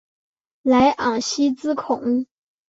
莱昂西兹孔。